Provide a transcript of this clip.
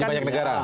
di banyak negara